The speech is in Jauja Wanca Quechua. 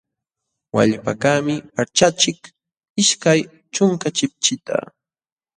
Wallpakaqmi paćhyaqchik ishkay ćhunka chipchita.